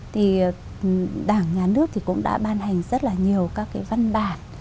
thì đảng nhà nước thì cũng đã ban hành rất là nhiều các cái văn bản